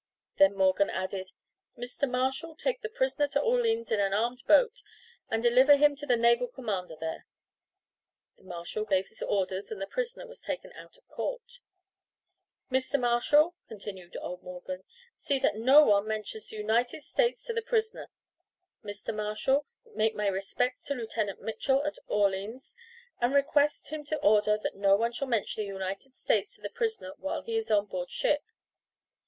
Then Morgan added: "Mr. Marshal, take the prisoner to Orleans in an armed boat, and deliver him to the naval commander there." The marshal gave his orders and the prisoner was taken out of court. "Mr. Marshal," continued old Morgan, "see that no one mentions the United States to the prisoner. Mr. Marshal, make my respects to Lieutenant Mitchell at Orleans, and request him to order that no one shall mention the United States to the prisoner while he is on board ship.